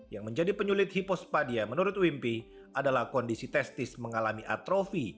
yang menjadi penyulit hipospadia menurut wimpi adalah kondisi testis mengalami atrofi